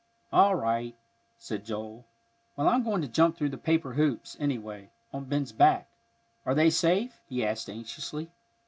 "All right," said Joel. "Well, I'm going to jump through the paper hoops, anyway, on Ben's back. Are they safe?" he asked anxiously.